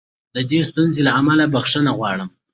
د دې ستونزې له امله بښنه غواړم.